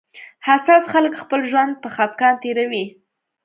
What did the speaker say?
حساس خلک خپل ژوند په خپګان تېروي